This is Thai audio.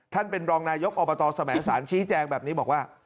ท่านเป็นรองนายกอบตสมสารชี้แจงแบบนี้บอกว่า